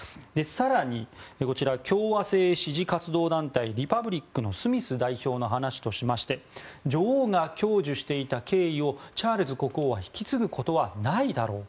更に、こちら共和制支持活動団体リパブリックのスミス代表の話としまして女王が享受していた敬意をチャールズ国王は引き継ぐことはないだろう。